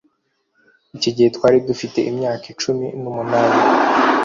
icyo gihe twari dufite imyaka cumi n'umunani